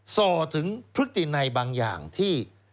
ส่อถึงพฤตินัยบางอย่างที่